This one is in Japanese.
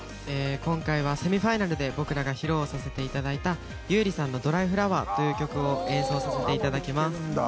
今回はセミファイナルで僕らが披露させていただいた優里さんの「ドライフラワー」という曲を演奏させていただきます